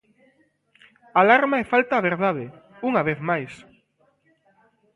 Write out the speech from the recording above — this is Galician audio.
Alarma e falta á verdade, unha vez máis.